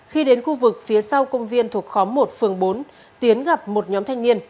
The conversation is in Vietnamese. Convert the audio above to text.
khi đến khu vực phía sau công viên thuộc khóm một phường bốn tiến gặp một nhóm thanh niên